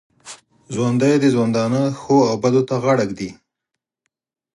ژوندي د ژوندانه ښو او بدو ته غاړه ږدي